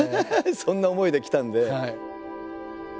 そんな思いで来たんで。